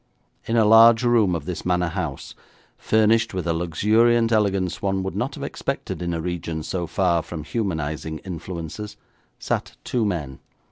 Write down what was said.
In a large room of this manor house, furnished with a luxuriant elegance one would not have expected in a region so far from humanising influences, sat two men.